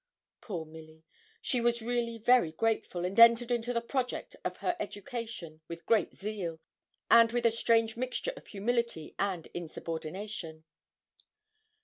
Poor Milly! she was really very grateful, and entered into the project of her education with great zeal, and with a strange mixture of humility and insubordination.